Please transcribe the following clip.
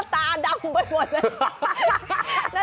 ตาดำไปหมดเลย